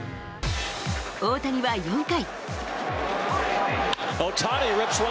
大谷は４回。